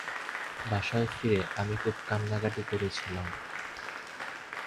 বাসায় ফিরে আমি খুব কান্নাকাটি করছিলাম।